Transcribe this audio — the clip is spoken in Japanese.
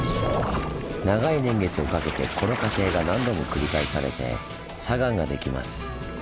長い年月をかけてこの過程が何度も繰り返されて砂岩ができます。